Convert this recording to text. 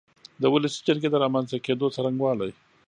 د ولسي جرګې د رامنځ ته کېدو څرنګوالی